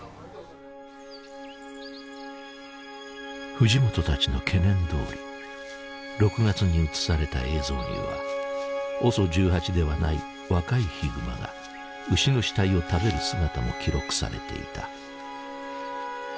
藤本たちの懸念どおり６月に映された映像にはＯＳＯ１８ではない若いヒグマが牛の死体を食べる姿も記録されていた。